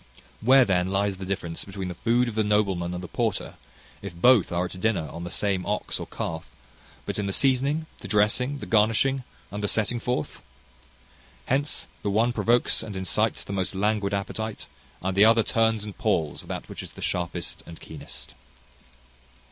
Where, then, lies the difference between the food of the nobleman and the porter, if both are at dinner on the same ox or calf, but in the seasoning, the dressing, the garnishing, and the setting forth? Hence the one provokes and incites the most languid appetite, and the other turns and palls that which is the sharpest and keenest.